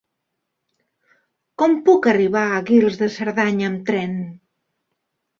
Com puc arribar a Guils de Cerdanya amb tren?